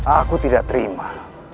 aku tidak terima